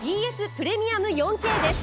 プレミアム４Ｋです。